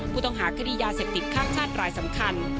ผู้ต้องหาคดียาเสพติดข้ามชาติรายสำคัญ